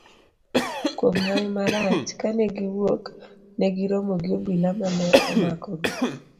Kuom hawi marach, kane giwuok, negi romo gi obila mane omakogi.